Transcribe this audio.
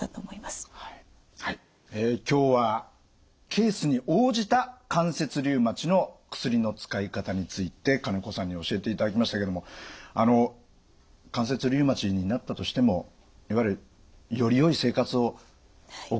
今日はケースに応じた関節リウマチの薬の使い方について金子さんに教えていただきましたけれどもあの関節リウマチになったとしてもいわゆるよりよい生活を送れるようにしたいですよねやっぱりね。